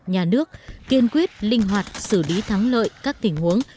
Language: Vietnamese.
nhà nước kiên quyết linh hoạt xử lý thắng lợi các tình huống